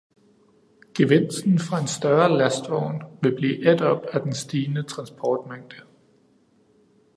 Gevinsten fra en større lastvogn vil blive ædt op af den stigende transportmængde.